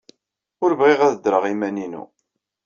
Ur bɣiɣ ad ddreɣ i yiman-inu.